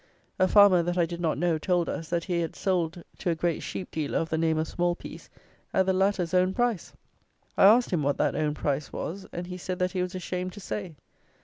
A farmer that I did not know, told us, that he had sold to a great sheep dealer of the name of Smallpiece at the latter's own price! I asked him what that "own price" was; and he said that he was ashamed to say.